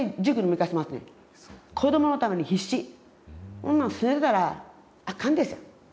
そんなんすねてたらあかんですよ。